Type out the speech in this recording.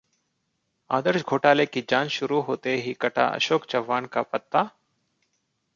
आदर्श घोटाले की जांच शुरू होते ही कटा अशोक चव्हाण का पत्ता?